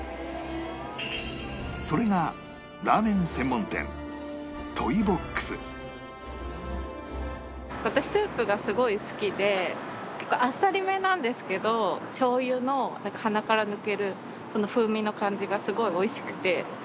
それが私スープがすごい好きで結構あっさりめなんですけどしょう油の鼻から抜ける風味の感じがすごい美味しくて。